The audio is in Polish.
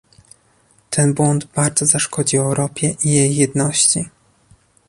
ten błąd bardzo zaszkodził Europie i jej jedności